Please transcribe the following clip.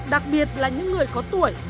đặc biệt là những người có tuổi